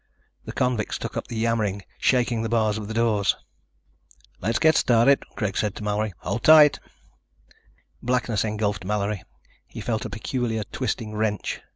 The convicts took up the yammering, shaking the bars on their doors. "Let's get started," Greg said to Mallory. "Hold tight." Blackness engulfed Mallory. He felt a peculiar twisting wrench.